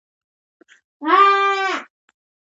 د افغانستان د اقتصادي پرمختګ لپاره پکار ده چې بندونه جوړ شي.